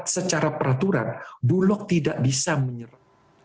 secara peraturan bulog tidak bisa menyerah